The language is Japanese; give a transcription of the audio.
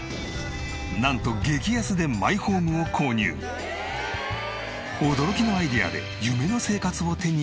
なんと驚きのアイデアで夢の生活を手に入れた家族。